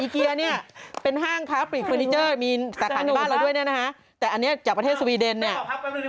เดี๋ยวขอพับแป๊บหนึ่งนึงนะเขาบอกว่า